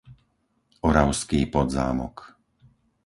Oravský Podzámok